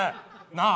なあ！